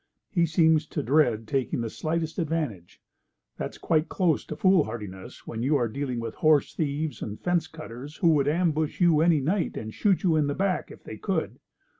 He seems to dread taking the slightest advantage. That's quite close to foolhardiness when you are dealing with horse thieves and fence cutters who would ambush you any night, and shoot you in the back if they could.